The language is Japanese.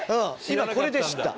今これで知った。